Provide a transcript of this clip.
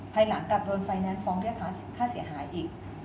ภายหลังกลับโดนไฟแนนซ์ฟ้องเรียกค่าเสียหายอีก